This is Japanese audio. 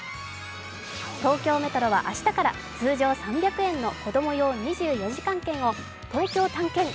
東京メトロは明日から、通常３００円の子供用２４時間券を東京探検！